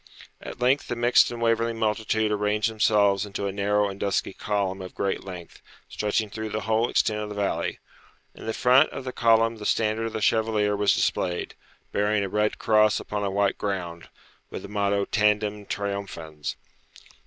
At length the mixed and wavering multitude arranged themselves into a narrow and dusky column of great length, stretching through the whole extent of the valley. In the front of the column the standard of the Chevalier was displayed, bearing a red cross upon a white ground, with the motto Tandem Triumphans.